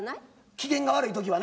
機嫌が悪い時はね。